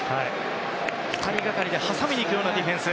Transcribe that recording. ２人がかりで挟みに行くようなディフェンス。